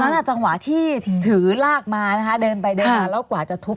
แต่ตอนนั้นจังหวะที่ถือรากมาเดินไปเดินออกแล้วกว่าจะทุบ